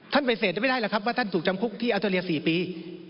ท่านไปเสร็จได้ไม่ได้ละท่านถูกจำคุกที่อัตเตอรียสี่ปี